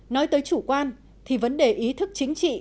nói tới chủ quan thì vấn đề ý thức chính trị